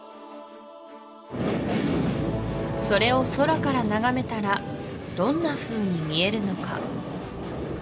それを空から眺めたらどんなふうに見えるのか？